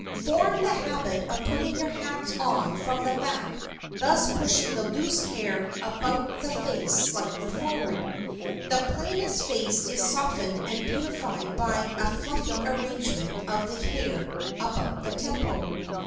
Form the habit of putting your hats on from the back, thus pushing the loose hair about the face slightly forward. The plainest face is softened and beautified by a fluffy arrangement of the hair about the temple.